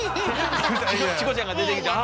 チコちゃんが出てきてああ